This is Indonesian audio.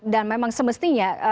dan memang semestinya